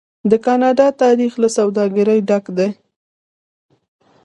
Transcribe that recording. د کاناډا تاریخ له سوداګرۍ ډک دی.